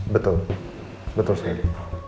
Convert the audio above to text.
betul betul sekali